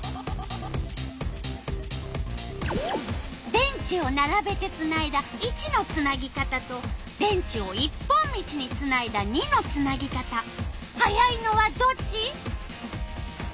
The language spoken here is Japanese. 電池をならべてつないだ①のつなぎ方と電池を一本道につないだ②のつなぎ方速いのはどっち？